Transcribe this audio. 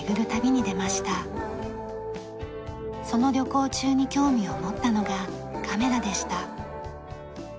その旅行中に興味を持ったのがカメラでした。